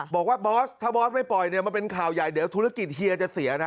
บอกว่าบอสถ้าบอสไม่ปล่อยเนี่ยมันเป็นข่าวใหญ่เดี๋ยวธุรกิจเฮียจะเสียนะ